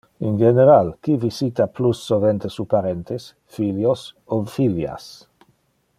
In general, qui visita plus sovente su parentes: filios o filias?